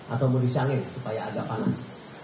atau mau disiangin supaya agak panas